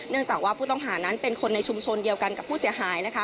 จากว่าผู้ต้องหานั้นเป็นคนในชุมชนเดียวกันกับผู้เสียหายนะคะ